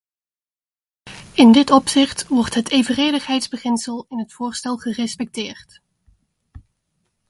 In dit opzicht wordt het evenredigheidsbeginsel in het voorstel gerespecteerd.